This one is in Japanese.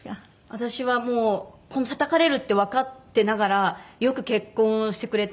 私はもうたたかれるってわかってながらよく結婚をしてくれて。